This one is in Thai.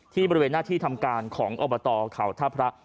บริเวณหน้าที่ทำการของอบตเขาท่าพระ